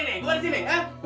saya di sini